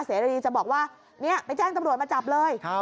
เสรีจะบอกว่าเนี่ยไปแจ้งตำรวจมาจับเลย